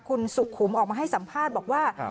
คุณสุขุมออกมาให้สัมภาษณ์บอกว่า